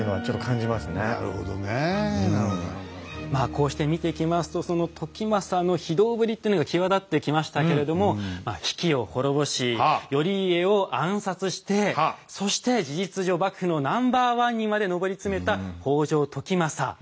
こうして見ていきますとその時政の非道ぶりっていうのが際立ってきましたけれども比企を滅ぼし頼家を暗殺してそして事実上幕府のナンバーワンにまで上り詰めた北条時政なんですけれども。